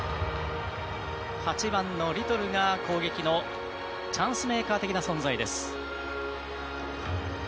８番のリトルが攻撃のチャンスメイカー的な存在です。